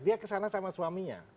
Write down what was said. dia kesana sama suaminya